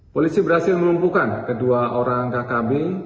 polisi berhasil melumpuhkan kedua orang kkb